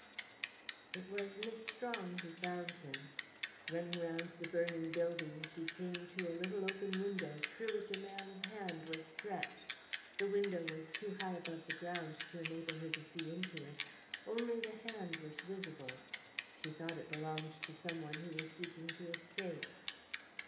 It was Miss Strong who found him. Running round the burning building, she came to a little open window through which a man's hand was stretched. The window was too high above the ground to enable her to see into it. Only the hand was visible. She thought it belonged to some one who was seeking to escape.